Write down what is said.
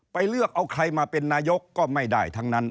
เลือกเอาใครมาเป็นนายกก็ไม่ได้ทั้งนั้น